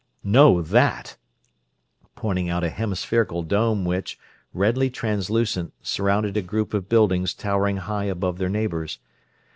"No, that," pointing out a hemispherical dome which, redly translucent, surrounded a group of buildings towering high above their neighbors.